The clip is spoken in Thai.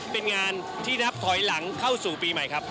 เป็นงานที่นับถอยหลังเข้าสู่ปีใหม่ครับ